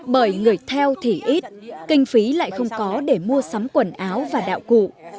bởi người theo thì ít kinh phí lại không có để mua sắm quần áo và đạo cụ